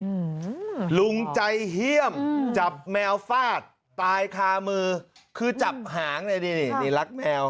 อืมลุงใจเฮี่ยมจับแมวฟาดตายคามือคือจับหางเลยนี่นี่รักแมว